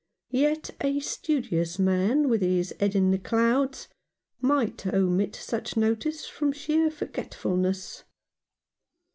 Yet a studious man, with his head in the clouds, might omit such notice, from sheer forgetfulness.